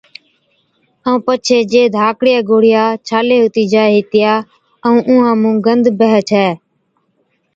ائُون پڇي جي ڌاڪڙِيا گوڙهِيا ڇالي هُتِي جائي هِتِيا ائُون اُونهان مُون گند بيهَي ڇَي۔